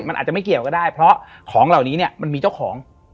มันอาจจะไม่เกี่ยวก็ได้เพราะของเหล่านี้เนี่ยมันมีเจ้าของ